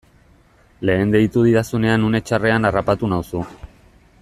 Lehen deitu didazunean une txarrean harrapatu nauzu.